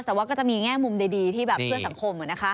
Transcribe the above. แต่ว่าก็จะมีแง่มุมดีที่แบบเพื่อสังคม